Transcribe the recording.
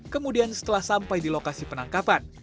kemudian setelah sampai di lokasi penangkapan